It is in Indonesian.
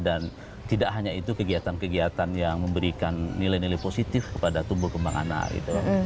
dan tidak hanya itu kegiatan kegiatan yang memberikan nilai nilai positif kepada tumbuh kembang anak gitu